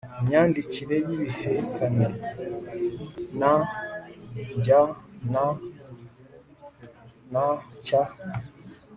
imyandikire y'ibihekane (n)jy na (n)cy